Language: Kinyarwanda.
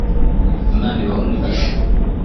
Imana ibahe umugisha